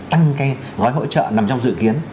tăng cái gói hỗ trợ nằm trong dự kiến